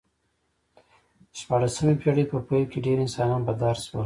د شپاړسمې پېړۍ په پیل کې ډېر انسانان په دار شول